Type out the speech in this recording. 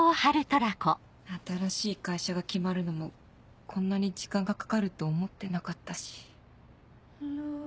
新しい会社が決まるのもこんなに時間がかかると思ってなかったし。